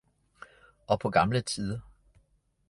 og på gamle tider!